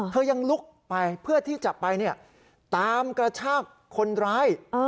ยังลุกไปเพื่อที่จะไปตามกระชากคนร้าย